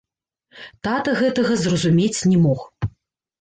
Тата гэтага зразумець не мог.